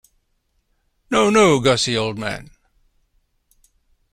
No, no, Gussie, old man.